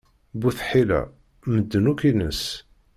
Bu tḥila, medden akk ines.